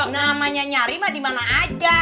namanya nyari mah dimana aja